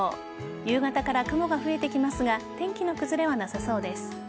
夕方から雲が増えてきますが天気の崩れはなさそうです。